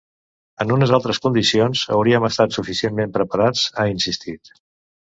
En unes altres condicions, hauríem estat suficientment preparats, ha insistit.